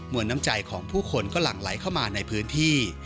วนน้ำใจของผู้คนก็หลั่งไหลเข้ามาในพื้นที่